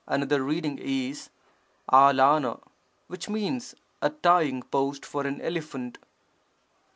Another reading is STTcTR which means 'a tying post for an elephant'.